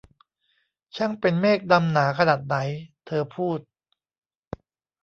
ช่างเป็นเมฆดำหนาขนาดไหน !' เธอพูด